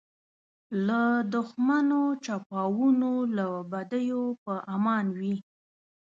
له دښمنو چپاوونو له بدیو په امان وي.